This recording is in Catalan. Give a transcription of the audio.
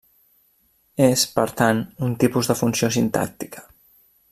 És, per tant, un tipus de funció sintàctica.